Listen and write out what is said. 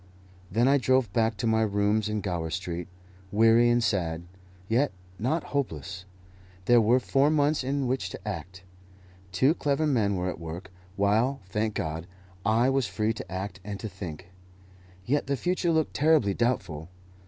Then I drove back to my rooms in Gower Street, weary and sad, yet not hopeless. There were four months in which to act. Two clever men were at work, while, thank God, I was free to act and to think. Yet the future looked terribly doubtful.